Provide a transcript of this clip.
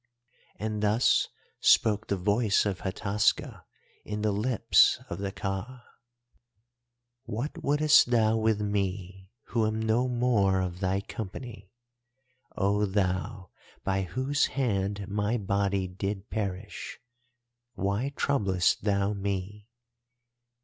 "And thus spoke the voice of Hataska in the lips of the Ka: "'What wouldest thou with me who am no more of thy company, O thou by whose hand my body did perish? Why troublest thou me?